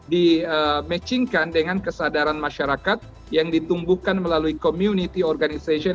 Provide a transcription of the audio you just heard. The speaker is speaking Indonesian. di matchingkan dengan kesadaran masyarakat yang ditumbuhkan melalui community organization